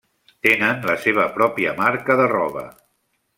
Tenen la seva pròpia marca de roba.